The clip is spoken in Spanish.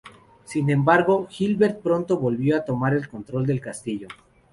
Sin embargo, Gilbert pronto volvió a tomar el control del castillo.